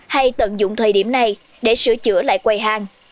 hay tận dụng thời điểm này để sửa chữa lại quầy hàng